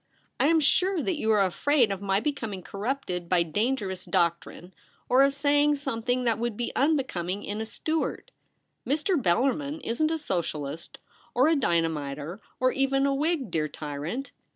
I am sure that you are afraid of my becoming corrupted by dan gerous doctrine, or of saying something that would be unbecoming in a Stuart. Mr. Bellarmin isn't a Socialist or a dynamiter, or even a Whig, dear tyrant.